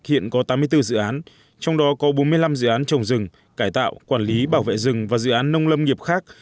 hiện có tám mươi bốn dự án trong đó có bốn mươi năm dự án trồng rừng cải tạo quản lý bảo vệ rừng và dự án nông lâm nghiệp khác